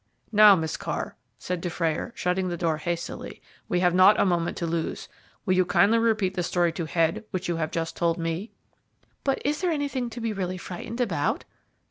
"Now, Miss Carr," said Dufrayer, shutting the door hastily, "we have not a moment to lose, Will you kindly repeat the story to Head which you have just told me?" "But is there anything to be really frightened about?"